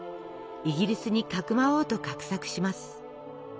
イギリスにかくまおうと画策します。